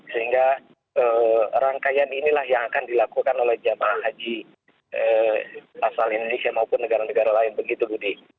sehingga rangkaian inilah yang akan dilakukan oleh jemaah haji asal indonesia maupun negara negara lain begitu budi